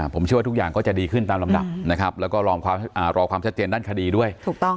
ผมเชื่อว่าทุกอย่างก็จะดีขึ้นตามลำดับนะครับแล้วก็รอความชัดเจนด้านคดีด้วยถูกต้อง